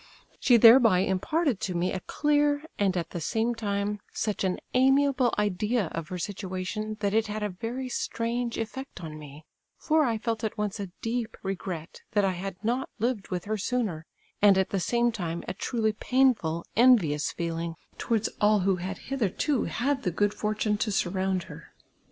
She thereby imparted to me a clear, and, at the same time, such an amiable idea of her situation, that it had a very strange eifect on mo ; for I felt at once a deep regret that I had not lived with her sooner, and at the same time a truly painful envious feeling towards all who had hitherto had the good fortmie to surround her.